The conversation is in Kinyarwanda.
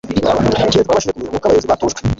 Ikindi twabashije kumenya n'uko abayobozi batujwe